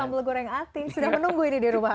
sambal goreng ating sudah menunggu ini di rumah